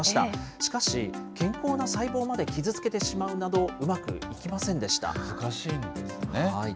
しかし、健康な細胞まで傷つけてしまうなど、うまくいきませんでした。